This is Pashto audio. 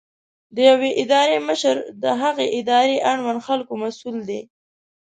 د یوې ادارې مشر د هغې ادارې اړوند خلکو مسؤل دی.